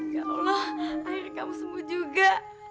ya allah akhirnya kamu sembuh juga